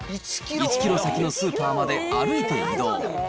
１キロ先のスーパーまで歩いて移動。